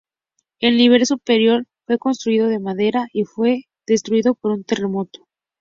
El nivel superior fue construido de madera y fue destruido por un terremoto.